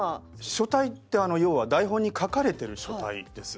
書体って要は台本に書かれてる書体です。